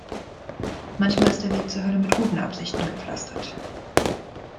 Manchmal ist der Weg zur Hölle mit guten Absichten gepflastert.